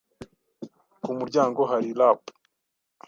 Ku muryango hari rap.